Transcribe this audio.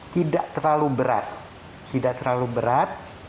tidak terlalu berat